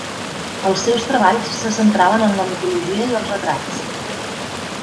Els seus treballs se centraven en la mitologia i els retrats.